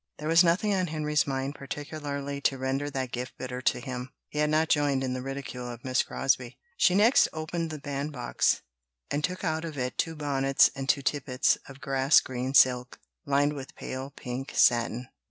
There was nothing on Henry's mind particularly to render that gift bitter to him; he had not joined in the ridicule of Miss Crosbie. She next opened the bandbox, and took out of it two bonnets and two tippets of grass green silk, lined with pale pink satin.